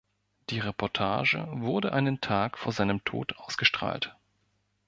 Die Reportage wurde einen Tag vor seinem Tod ausgestrahlt.